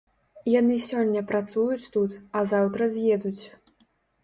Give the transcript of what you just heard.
Яны сёння працуюць тут, а заўтра з'едуць.